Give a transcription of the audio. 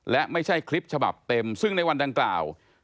และไม่ใช่คลิปฉบับเต็มซึ่งในวันดังกล่าว